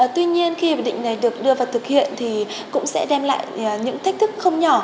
tuy nhiên khi hiệp định này được đưa vào thực hiện thì cũng sẽ đem lại những thách thức không nhỏ